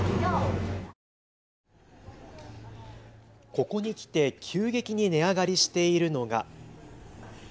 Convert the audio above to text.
ここに来て急激に値上がりしているのが。